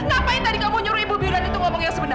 ngapain tadi kamu nyuruh ibu bilang itu ngomong yang sebenarnya